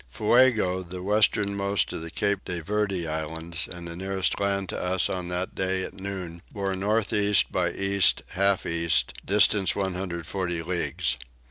Fuego, the westernmost of the Cape de Verde islands and the nearest land to us on that day at noon bore north east by east half east, distance 140 leagues.